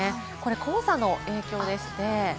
これ黄砂の影響でして。